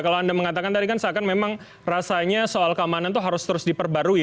kalau anda mengatakan tadi kan seakan memang rasanya soal keamanan itu harus terus diperbarui